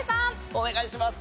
お願いします！